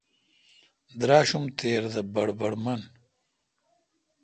دراشوم تِر دہ بڑبڑ من۔